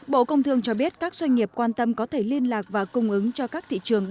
bộ công thương cho biết các doanh nghiệp quan tâm có thể liên lạc và cung ứng cho các thị trường